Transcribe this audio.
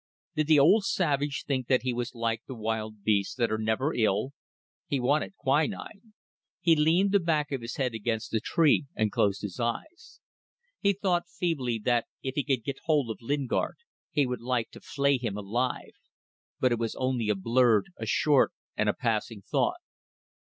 Did the old savage think that he was like the wild beasts that are never ill? He wanted quinine. He leaned the back of his head against the tree and closed his eyes. He thought feebly that if he could get hold of Lingard he would like to flay him alive; but it was only a blurred, a short and a passing thought.